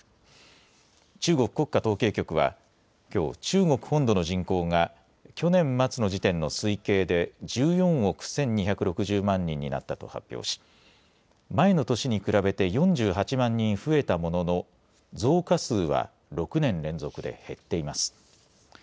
中国国家統計局は、きょう、中国本土の人口が去年末の時点の推計で１４億１２６０万人になったと発表し、前の年に比べて４８万人増えたものの、増加数は６年連続で減っています。